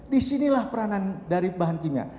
disinilah peranan dari bahan kimia